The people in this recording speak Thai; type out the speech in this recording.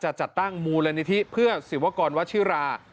จัดตั้งมูลนิธิเพื่อศิวกรวชิรา